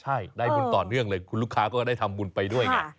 ใช่ได้บุญต่อเนื่องเลยคุณลูกค้าก็ได้ทำบุญไปด้วยไง